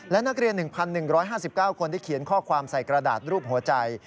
และนักเรียน๑๑๕๙คนที่เขียนข้อความใส่กระดาษรูปหัวใจ